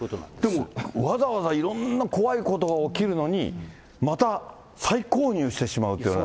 でもわざわざいろんな怖いことが起きるのに、また再購入してしまうというね。